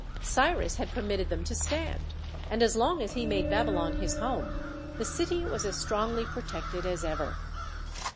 Cyrus had permitted them to stand, and as long as he made Babylon his home, the city was as strongly protected as ever.